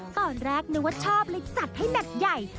ตอนแรกนึกว่าชอบเลยจัดให้แบบใหญ่